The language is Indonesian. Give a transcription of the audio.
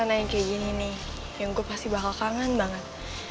jadi gini nih yang gue pasti bakal kangen banget